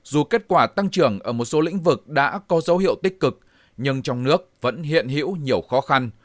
dù kết quả tăng trưởng ở một số lĩnh vực đã có dấu hiệu tích cực nhưng trong nước vẫn hiện hiểu nhiều khó khăn